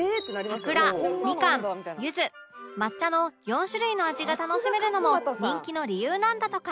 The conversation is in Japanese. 桜みかん柚子抹茶の４種類の味が楽しめるのも人気の理由なんだとか